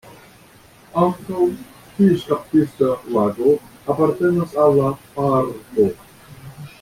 Ankaŭ fiŝkaptista lago apartenas al la parko.